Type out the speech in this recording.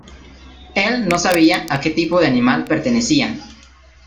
Él no sabía a que tipo de animal pertenecían.